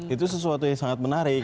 itu sesuatu yang sangat menarik